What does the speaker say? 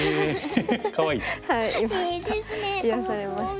癒やされました。